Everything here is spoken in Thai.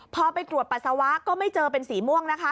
พอไปตรวจปัสสาวะก็ไม่เจอเป็นสีม่วงนะคะ